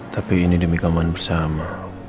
tapi ini demi keamanan bersama